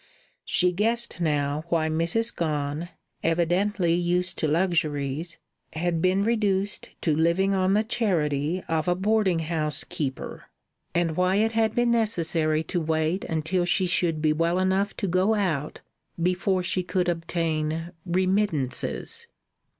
She guessed now why Mrs. Gone, evidently used to luxuries, had been reduced to living on the charity of a boarding house keeper, and why it had been necessary to wait until she should be well enough to go out before she could obtain "remittances."